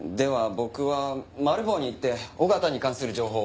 僕はマル暴に行って緒方に関する情報を。